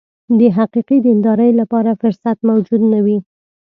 د حقیقي دیندارۍ لپاره فرصت موجود نه وي.